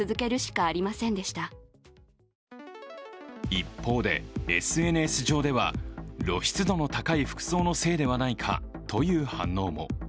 一方でＳＮＳ上では露出度の高い服装のせいではないかという反応も。